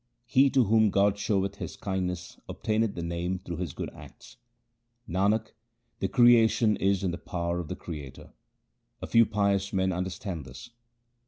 He to whom God showeth His kindness obtaineth the Name through his good acts. Nanak, the creation is in the power of the Creator ; a few pious men understand this.